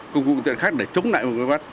công cụ tiện khác để chống lại vây bắt